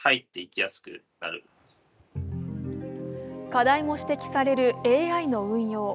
課題も指摘されるＡＩの運用。